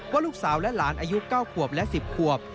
ว่าลูกสาวและหลานอายุ๙ขวบและ๑๐ขวบ